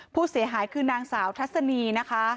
ผู้เสียหายคือนางสาวทัศนีนะคะ